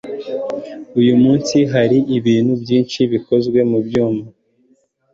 Uyu munsi hari ibintu byinshi bikozwe mubyuma.